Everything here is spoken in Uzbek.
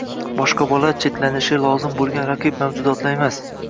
boshqa bolalar – chetlanilishi lozim bo‘lgan raqib mavjudotlar emas